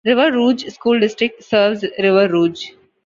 River Rouge School District serves River Rouge.